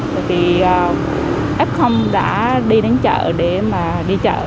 tại vì ép không đã đi đến chợ để mà đi chợ